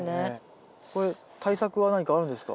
これ対策は何かあるんですか？